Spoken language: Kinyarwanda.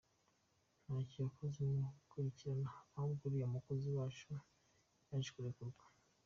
Ntacyo yakoze mu kubikurikirana ahubwo uriya mukozi wacu yaje kurekurwa”.